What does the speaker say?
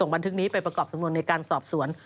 บันทึกนี้ไปประกอบสำนวนในการสอบสวน